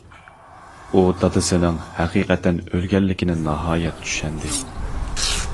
ئۇ دادىسىنىڭ ھەقىقەتەن ئۆلگەنلىكىنى ناھايەت چۈشەندى.